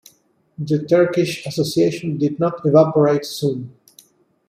The Turkish association did not evaporate soon.